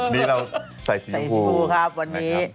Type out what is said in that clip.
นี่เราใส่สีชมพูครับวันนี้